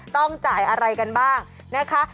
ต้องจ่ายอะไรกันบ้างนะคะ